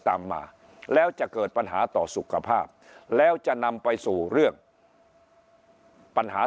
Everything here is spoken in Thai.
ตามมาแล้วจะเกิดปัญหาต่อสุขภาพแล้วจะนำไปสู่เรื่องปัญหา